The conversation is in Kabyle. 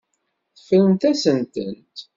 Teffremt-asent-tent.